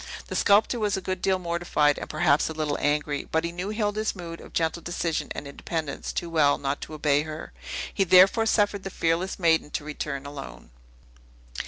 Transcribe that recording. The sculptor was a good deal mortified, and perhaps a little angry: but he knew Hilda's mood of gentle decision and independence too well not to obey her. He therefore suffered the fearless maiden to return alone.